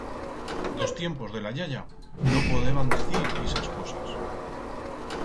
D'os tiempos de la yaya, no podeban decir ixas cosas.